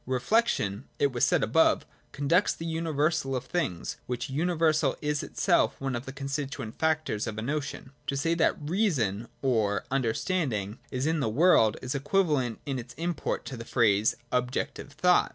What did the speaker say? Reflection, it was said above, conducts to the universal of things : which uni versal is itself one of the constituent factors of a notion. To say that Reason or Understanding is in the world, is equivalent in its import to the phrase ' Objective Thought.'